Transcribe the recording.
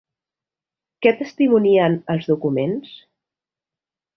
Què testimonien els documents?